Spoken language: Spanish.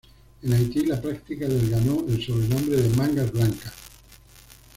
En Haití, la práctica les ganó el sobrenombre de "mangas blancas".